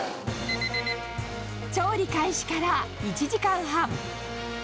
調理開始から１時間半。